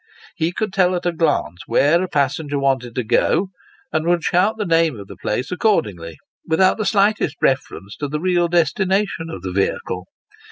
He could tell at a glance where a passenger wanted to go to, and would shout the name of the place accordingly, without the slightest reference to the real destination of the vehicle.